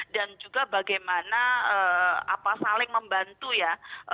dan juga bagaimana saling membantu ya